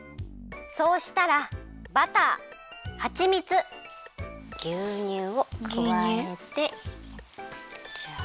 そうしたらバターはちみつぎゅうにゅうをくわえてジャ。